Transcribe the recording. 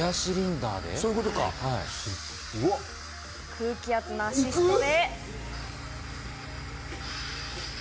空気圧のアシストで。